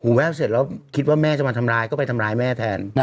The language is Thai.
แวบเสร็จแล้วคิดว่าแม่จะมาทำร้ายก็ไปทำร้ายแม่แทน